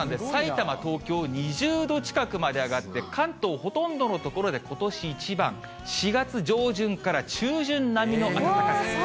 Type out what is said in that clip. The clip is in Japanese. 埼玉、東京、２０度近くまで上がって、関東、ほとんどの所でことし一番、４月上旬から中旬並みの暖かさ。